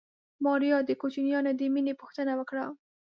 ماريا د کوچيانو د مېنې پوښتنه وکړه.